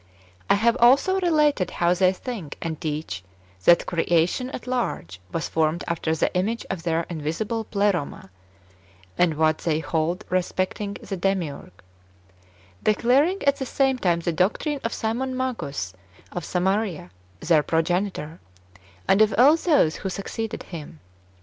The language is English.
I have also related how they think and teach that creation at large was formed after the image of their invisible Pleroma, and what they hold respecting the Demiurge, declaring at the same time the doctrine of Simon Magus of Samaria, their progenitor, and of all those who succeeded him.